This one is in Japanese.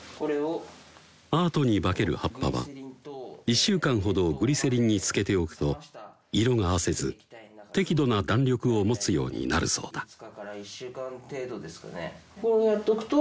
アートに化ける葉っぱは１週間ほどグリセリンにつけておくと色があせず適度な弾力を持つようになるそうだ